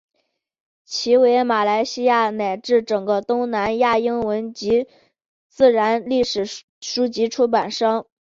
其为马来西亚乃至整个东南亚英文及自然历史书籍的出版商。